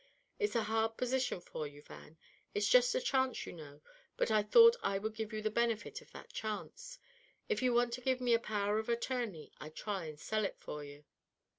It's a hard position for you, Van; it's just a chance, you know, but I thought I would give you the benefit of that chance. If you want to give me a power of attorney I'll try and sell it for you."